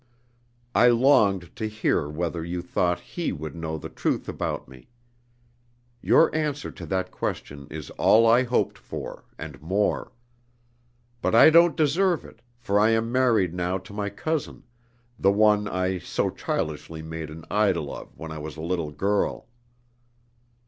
I longed to hear whether you thought he would know the truth about me. Your answer to that question is all I hoped for, and more. But I don't deserve it, for I am married now to my cousin the one I so childishly made an idol of when I was a little girl.